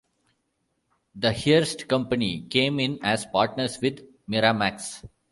The Hearst company came in as partners with Miramax.